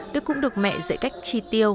đức cũng được mẹ dạy cách tri tiêu